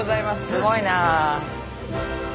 すごいな。